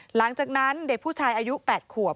หลังจากนั้นเด็กผู้ชายอายุ๘ขวบ